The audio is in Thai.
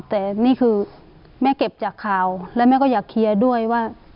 แต่นี่คือแม่เก็บจากข่าวและแม่ก็อยากเคลียร์ด้วยว่า